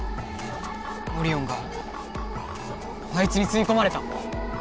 オリオンがあいつにすいこまれた。